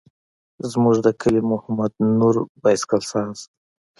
زموږ د کلي محمد نور بایسکل ساز.